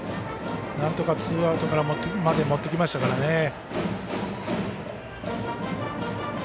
なんとかツーアウトまで持ってきましたからね。